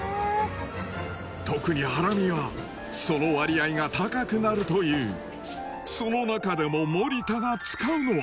特にハラミはその割合が高くなるというその中でも森田が使うのは？